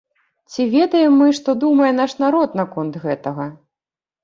Ці ведаем мы, што думае наш народ наконт гэтага?